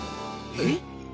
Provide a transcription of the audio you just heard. えっ？